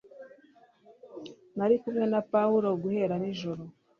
Narikumwe na paulo guhera nijoro